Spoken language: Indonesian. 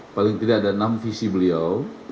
paling tidak ada enam visi beliau